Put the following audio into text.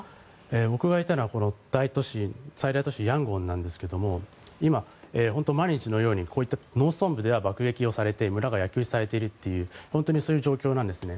僕がいたのは最大都市、ヤンゴンですが今、毎日のようにこういった農村部では爆撃をされて本当にそういう状況なんですね。